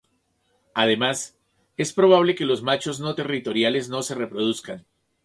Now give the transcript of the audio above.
Además, es probable que los machos no territoriales no se reproduzcan.